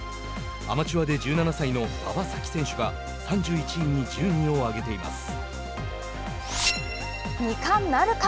アマチュアで１７歳の馬場咲希選手が３１位に順位を上げています。